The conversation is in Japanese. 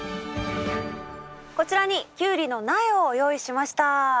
こちらにキュウリの苗を用意しました。